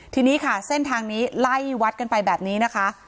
ทีนี้ค่ะเส้นทางนี้ไล่วัดกันไปแบบนี้นะคะ